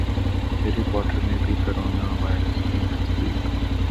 Harry Potter میں بھی corona virus کی تصدیق